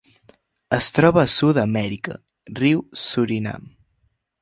Es troba a Sud-amèrica: riu Surinam.